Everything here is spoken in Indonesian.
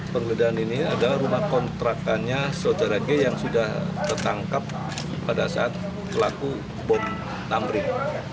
penggeledahan ini adalah rumah kontrakannya saudara g yang sudah tertangkap pada saat pelaku bom tamrin